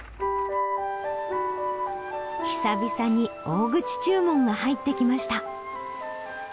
久々に大口注文が入ってきました。